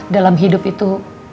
dalam hidup itu